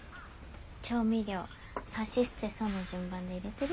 調味料「さしすせそ」の順番で入れてる？